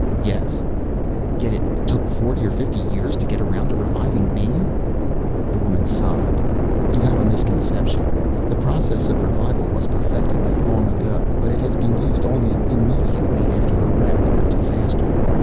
"Yes." "Yet it took forty or fifty years to get around to reviving me?" The woman sighed. "You have a misconception. The process of revival was perfected that long ago. But it has been used only immediately after a wreck or disaster.